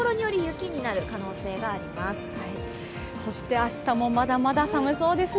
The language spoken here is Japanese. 明日も、まだまだ寒そうですね。